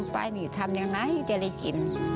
ถ่ายลงไปทำยังไง